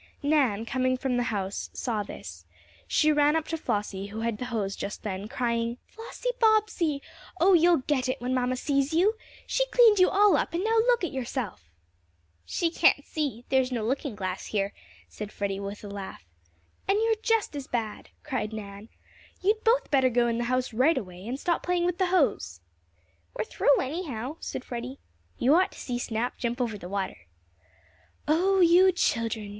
Nan, coming from the house saw this. She ran up to Flossie, who had the hose just then, crying: "Flossie Bobbsey! Oh, you'll get it when mamma sees you! She cleaned you all up and now look at yourself!" "She can't see there's no looking glass here," said Freddie, with a laugh. "And you're just as bad!" cried Nan. "You'd both better go in the house right away, and stop playing with the hose." "We're through, anyhow," said Freddie. "You ought to see Snap jump over the water." "Oh, you children!"